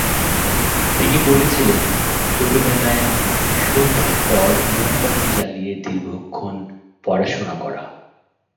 তিনি বলেছিলেন, ছোটবেলায় সন্ধ্যার পর মোমবাতি জ্বালিয়ে দীর্ঘক্ষণ পড়াশোনা করা।